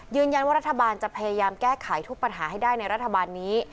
รัฐบาลจะพยายามแก้ไขทุกปัญหาให้ได้ในรัฐบาลนี้